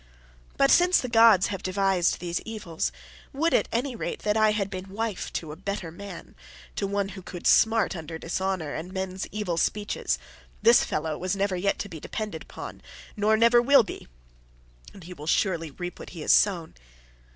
But, since the gods have devised these evils, would, at any rate, that I had been wife to a better man—to one who could smart under dishonour and men's evil speeches. This fellow was never yet to be depended upon, nor never will be, and he will surely reap what he has sown.